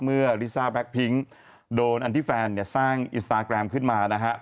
เมื่อลิซ่าแบ็คพิงค์โดนอันติแฟนสร้างอินสตาร์แกรมขึ้นมานะครับ